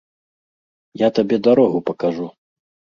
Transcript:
Я табе дарогу пакажу.